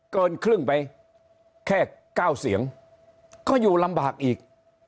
เกินครึ่งไปแค่๙เสียงก็อยู่ลำบากอีก